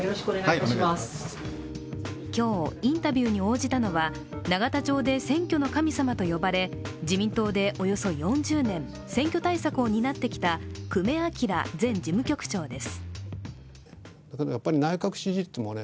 今日、インタビューに応じたのは、永田町で選挙の神様と呼ばれ、自民党でおよそ４０年選挙対策を担ってきた久米晃前事務局長です。